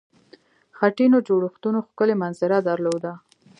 خټینو جوړښتونو ښکلې منظره درلوده.